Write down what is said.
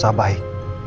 jangan usah baik